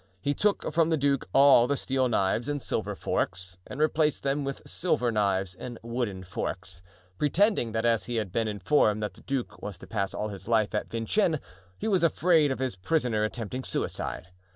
He took from the duke all the steel knives and silver forks and replaced them with silver knives and wooden forks, pretending that as he had been informed that the duke was to pass all his life at Vincennes, he was afraid of his prisoner attempting suicide.